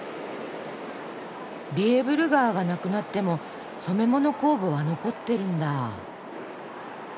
ビエーブル川が無くなっても染め物工房は残ってるんだ。